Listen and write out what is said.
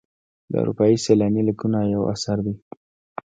د اروپایي سیلاني لیکونه یو اثر دی.